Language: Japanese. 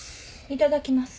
いただきます。